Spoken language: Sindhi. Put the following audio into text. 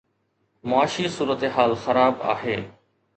معاشي صورتحال خراب آهي.